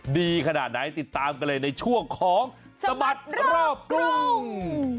ดีขนาดไหนติดตามกันเลยในช่วงของสบัดรอบกรุง